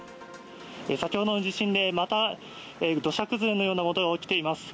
先ほどの地震でまだ土砂崩れのようなものが起きています。